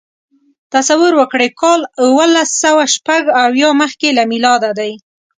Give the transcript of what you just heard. تصور وکړئ کال اوولسسوهشپږاویا مخکې له میلاده دی.